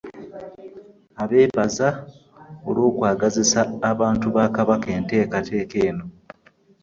Abeebaza olw'okwagazisa abantu ba Kabaka enteekateeka eno